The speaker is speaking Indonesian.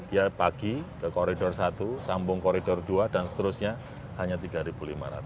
dia pagi ke koridor satu sambung koridor dua dan seterusnya hanya rp tiga lima ratus